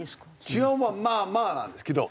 治安はまあまあなんですけど。